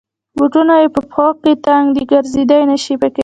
بوټونه یې په پښو کې تنګ دی. ګرځېدای نشی پکې.